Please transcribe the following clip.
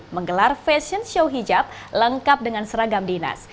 menggelar fashion show hijab lengkap dengan seragam dinas